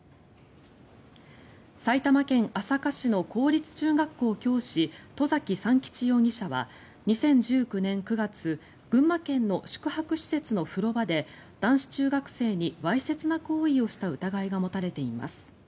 埼玉県朝霞市の公立中学校教師外崎三吉容疑者は２０１９年９月群馬県の宿泊施設の風呂場で男子中学生にわいせつな行為をした疑いが持たれています。